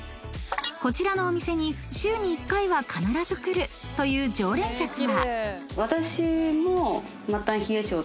［こちらのお店に週に１回は必ず来るという常連客は］